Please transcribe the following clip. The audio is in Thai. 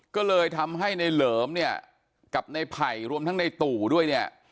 ก็เลยทำให้ในเหลิมเนี่ยกับในไผ่รวมทั้งในตู่ด้วยเนี่ย